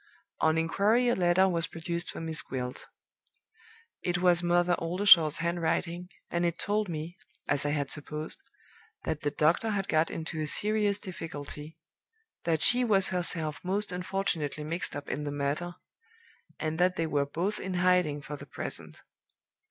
"On inquiry a letter was produced for 'Miss Gwilt.' It was in Mother Oldershaw's handwriting, and it told me (as I had supposed) that the doctor had got into a serious difficulty that she was herself most unfortunately mixed up in the matter, and that they were both in hiding for the present.